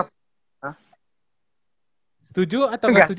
setuju atau enggak setuju